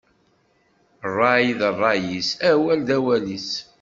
Ṛṛay d ṛṛay-is, awal d awal-is.